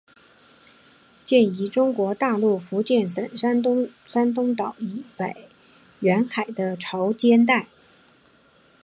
见于中国大陆福建省东山岛以北沿海的潮间带。